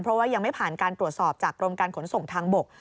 เพราะว่ายังไม่ผ่านการตรวจสอบจากกรมการขนส่งทางบก